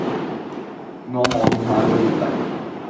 我望下個月曆